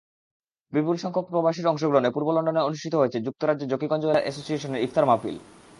বিপুলসংখ্যক প্রবাসীর অংশগ্রহণে পূর্ব লন্ডনে অনুষ্ঠিত হয়েছে যুক্তরাজ্যে জকিগঞ্জ ওয়েলফেয়ার অ্যাসোসিয়েশনের ইফতার মাহফিল।